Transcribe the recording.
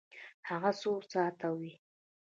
هغه څو ساعته وی؟